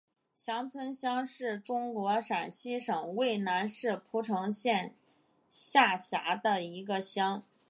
翔村乡是中国陕西省渭南市蒲城县下辖的一个乡。